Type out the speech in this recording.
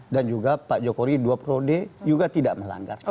dan juga pak jokowi dua puluh d juga tidak melanggar